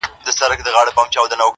• هر څوک د پیښي خپل تفسير وړاندي کوي..